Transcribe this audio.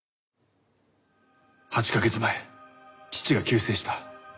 ８カ月前父が急逝した。